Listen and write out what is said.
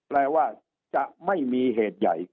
แปลว่าจะไม่มีเหตุใหญ่